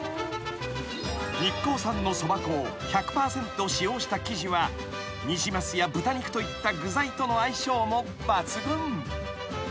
［日光産のそば粉を１００％使用した生地はニジマスや豚肉といった具材との相性も抜群］